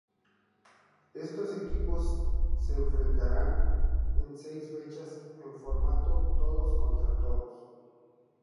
Estos equipos se enfrentarán en seis fechas en formato "todos contra todos".